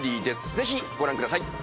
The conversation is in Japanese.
ぜひご覧ください。